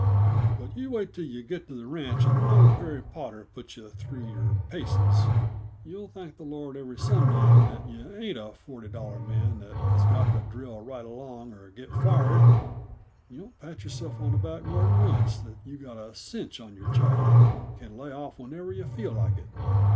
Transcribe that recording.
But you wait till yuh get to the ranch and old Perry Potter puts yuh through your paces. You'll thank the Lord every Sundown that yuh ain't a forty dollar man that has got to drill right along or get fired; you'll pat yourself on the back more than once that you've got a cinch on your job and can lay off whenever yuh feel like it.